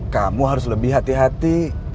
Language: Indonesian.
kamu harus lebih hati hati